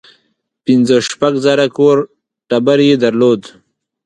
پنځه شپږ زره کور ټبر یې درلود.